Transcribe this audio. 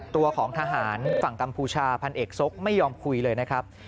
ตัวของทหารฝั่งกัมพูชาพันเอกซกไม่ยอมคุยเลยนะครับ